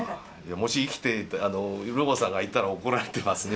もし生きてルオーさんがいたら怒られてますね